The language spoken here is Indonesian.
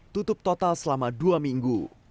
tutup total selama dua minggu